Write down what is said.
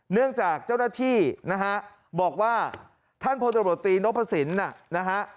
เนื่องจากเจ้าหน้าที่นะฮะบอกว่าท่านพลตบรตรีรับประสินภูมิ